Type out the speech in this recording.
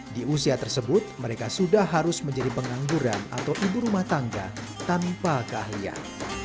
di usia tersebut mereka sudah harus menjadi pengangguran atau ibu rumah tangga tanpa keahlian